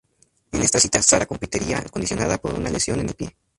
En esta cita Sara competiría condicionada por una lesión en el pie.